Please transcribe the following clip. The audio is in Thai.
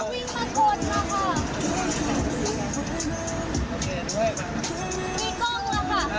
โอเคดูให้ค่ะ